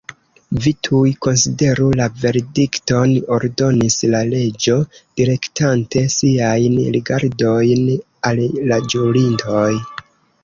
"Vi tuj konsideru la verdikton," ordonis la Reĝo, direktante siajn rigardojn al la ĵurintoj.